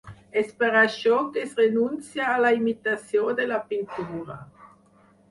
És per això que es renuncia a la imitació de la pintura.